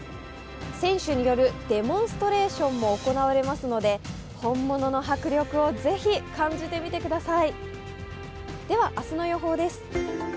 選手によるデモンストレーションも行われますので、本物の迫力をぜひ感じてみてください。